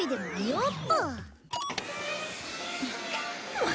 あっ？